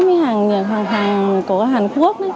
mới hàng của hàn quốc